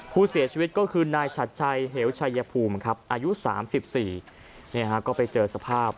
ผู้เสียชีวิตก็คือนายชัดชัยเหวชัยภูมิครับอายุ๓๔ก็ไปเจอสภาพ